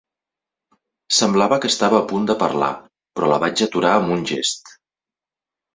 Semblava que estava a punt de parlar, però la vaig aturar amb un gest.